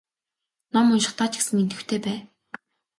Ном уншихдаа ч гэсэн идэвхтэй бай.